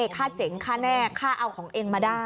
ฆ่าเจ๋งฆ่าแน่ฆ่าเอาของเองมาได้